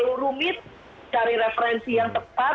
terlalu rumit cari referensi yang tepat